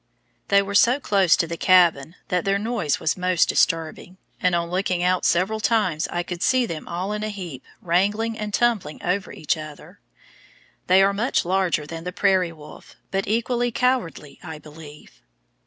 They were so close to the cabin that their noise was most disturbing, and on looking out several times I could see them all in a heap wrangling and tumbling over each other. They are much larger than the prairie wolf, but equally cowardly, I believe.